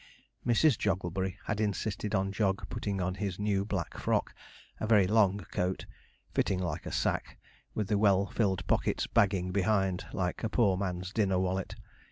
Mrs. Jogglebury had insisted on Jog putting on his new black frock a very long coat, fitting like a sack, with the well filled pockets bagging behind, like a poor man's dinner wallet.